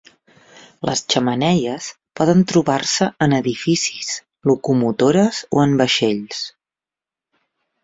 Les xemeneies poden trobar-se en edificis, locomotores o en vaixells.